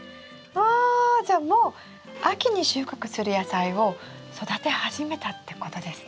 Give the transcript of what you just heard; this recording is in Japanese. わじゃあもう秋に収穫する野菜を育て始めたってことですね。